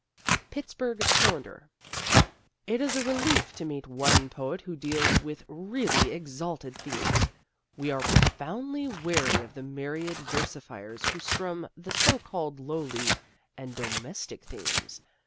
Pittsburgh Cylinder: It is a relief to meet one poet who deals with really exalted themes. We are profoundly weary of the myriad versifiers who strum the so called lowly and domestic themes.